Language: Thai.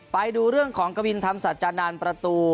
ไปดูเรื่องของกระวินทำศัตริย์จานด่านประตู